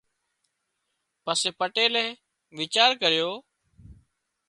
پسي پٽيلئي ويچار ڪريو